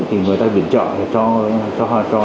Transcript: thì người ta viện trợ